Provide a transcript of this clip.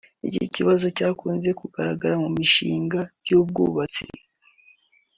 Iki kibazo cyakunze kugaragara mu mishinga y’ubwubatsi